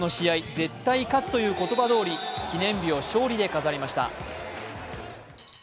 絶対勝つという言葉どおり、記念日を勝利で飾りました。